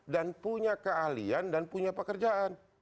dan punya keahlian dan punya pekerjaan